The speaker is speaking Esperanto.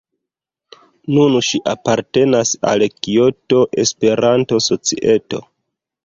Nun ŝi apartenas al Kioto-Esperanto-Societo.